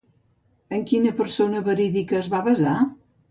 En quina persona verídica es va basar?